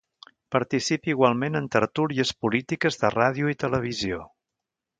Participa igualment en tertúlies polítiques de ràdio i televisió.